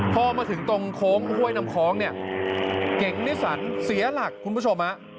พอมาถึงตรงโค้งห้วยน้ำคล้องเนี่ยเก่งนิสันเสียหลักคุณผู้ชมฮะ